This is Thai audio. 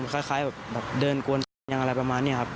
คล้ายแบบเดินกวนอย่างอะไรประมาณเนี่ยครับ